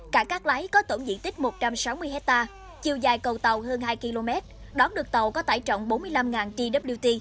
cảng cát lái có tổng diện tích một trăm sáu mươi hectare chiều dài cầu tàu hơn hai km đón được tàu có tải trọng bốn mươi năm twt